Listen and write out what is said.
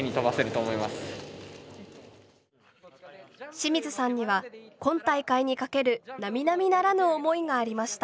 清水さんには今大会に懸けるなみなみならぬ思いがありました。